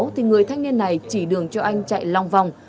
thì người thanh niên này chỉ đường cho anh chạy long vòng